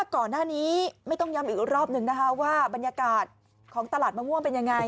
ก่อนหน้านี้ไม่ต้องย้ำอีกรอบหนึ่งนะคะว่าบรรยากาศของตลาดมะม่วงเป็นยังไง